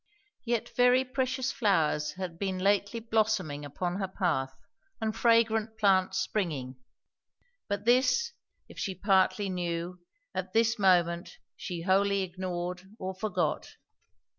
Yet very precious flowers had been lately blossoming upon her path, and fragrant plants springing; but this, if she partly knew, at this moment she wholly ignored or forgot.